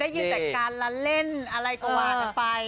ยืนยันจากการละเล่นอะไรก็ว่ากันไป